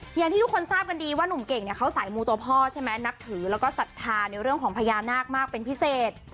อย่างที่ทุกคนทราบกันดีว่านุ่มเก่งเขาสายมูตัวพ่อนักถือและสัตว์ธาในเรื่องของพญานาคมากเป็นพิเศษ